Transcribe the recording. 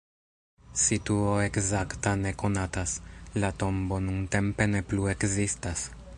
Situo ekzakta ne konatas, la tombo nuntempe ne plu ekzistas.